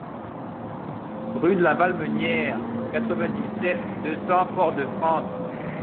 Rue de la Valmenière, quatre-vingt-dix-sept, deux cents Fort-de-France